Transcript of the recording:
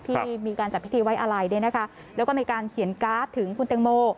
ที่มีการจัดพิธีไว้อะไรแล้วก็มีการเขียนกราฟถึงคุณเต็มโม